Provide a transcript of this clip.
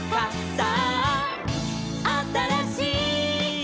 「さああたらしい」